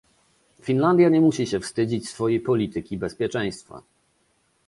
Finlandia nie musi się wstydzić swojej polityki bezpieczeństwa